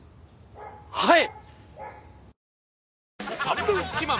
はい！